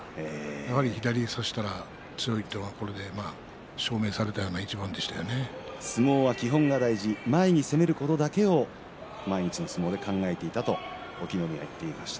やはり左を差したら強いというのがこれで証明されたような相撲は基本が大事前に攻めることだけを毎日の相撲で考えていたと隠岐の海は言っていました。